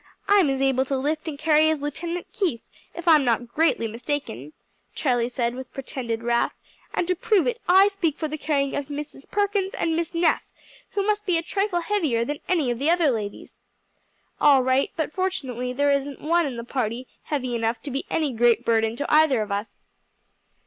I'm as able to lift and carry as Lieutenant Keith, if I'm not greatly mistaken," Charlie said with pretended wrath, "and to prove it I speak for the carrying of Mrs. Perkins and Miss Neff, who must be a trifle heavier than any of the other ladies." "All right; but fortunately there isn't one in the party heavy enough to be any great burden to either of us."